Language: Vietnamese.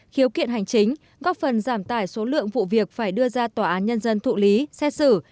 khiếu kiện hành chính góp phần giảm tải số lượng vụ việc phải đưa ra tòa án nhân dân thụ lý xét xử